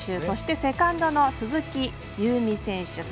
そして、セカンドの鈴木夕湖選手。